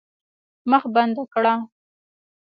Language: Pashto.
مخ بنده کړه.